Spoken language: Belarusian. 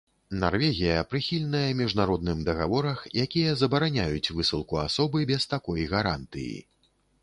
Нарвегія прыхільная міжнародным дагаворах, якія забараняюць высылку асобы без такой гарантыі.